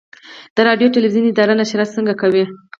د راډیو تلویزیون اداره نشرات څنګه کوي؟